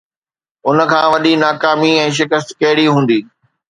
ان کان وڏي ناڪامي ۽ شڪست ڪهڙي هوندي؟